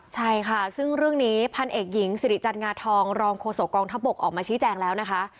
ใช่ค่ะซึ่งเรื่องนี้พันเอกหญิงสิริจันงาทองรองโฆษกองทัพบกออกมาชี้แจงแล้วนะคะ